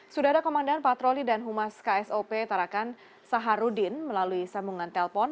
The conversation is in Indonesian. sudah ada komandan patroli dan humas ksop tarakan saharudin melalui sambungan telpon